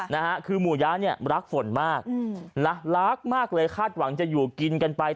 นะฮะคือหมู่ย้าเนี่ยรักฝนมากอืมนะรักมากเลยคาดหวังจะอยู่กินกันไป